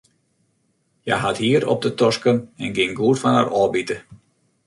Hja hat hier op de tosken en kin goed fan har ôfbite.